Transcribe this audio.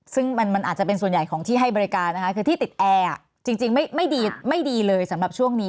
ซึ่งมันอาจจะเป็นส่วนใหญ่ของที่ให้บริการนะคะคือที่ติดแอร์จริงไม่ดีไม่ดีเลยสำหรับช่วงนี้